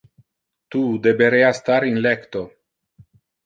Tu deberea star in lecto.